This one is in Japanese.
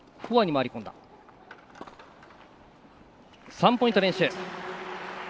３ポイント連取。